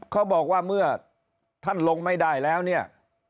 เขาบอกว่าเมื่อท่านลงไม่ได้แล้วเนี่ย